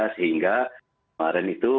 sehingga kemarin itu